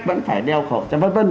vẫn phải đeo khẩu cho vân vân